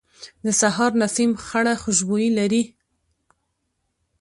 د سهار نسیم خړه خوشبويي لري